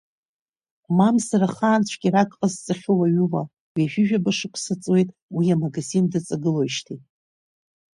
Мамзар ахаан цәгьарак ҟазҵахьоу уаҩума, ҩажәижәаба шықәса ҵуеит уи амагазин дыҵагылоуижьҭеи.